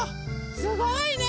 すごいね！